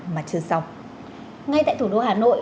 mà chưa xong ngay tại thủ đô hà nội